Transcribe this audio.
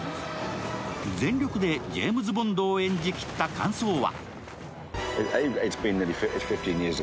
全力でジェームズ・ボンドを演じきった感想は。